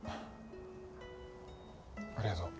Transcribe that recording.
ありがとう。